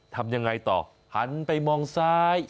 ทำยังไงต่อหันไปมองซ้าย